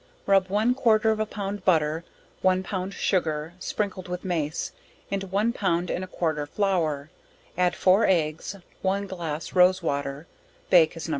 Rub one quarter of a pound butter, one pound sugar, sprinkled with mace, into one pound and a quarter flour, add four eggs, one glass rose water, bake as No.